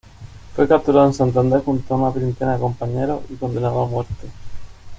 Fue capturado en Santander junto a una treintena de compañeros y condenado a muerte.